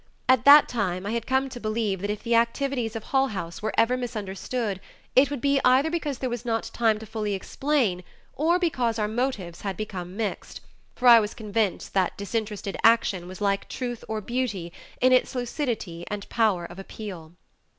At that time I had come to believe that if the activities of Hull House were ever misunderstood, it would be either because there was not time to fully explain or because our motives had become mixed, for I was convinced that disinterested action was like truth or beauty in its lucidity and power of appeal.